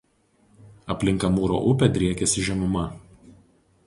Aplink Amūro upę driekiasi žemuma.